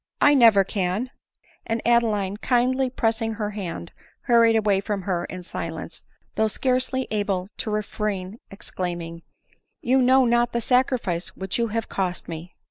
I never can;" and Adeline, kindly pressing her hand, hurried away from her in silence, though scarcely able to refrain exclaiming, " You know not the sacrifice which you have cost me